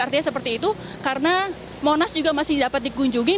artinya seperti itu karena monas juga masih dapat dikunjungi